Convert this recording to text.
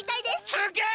すげえ！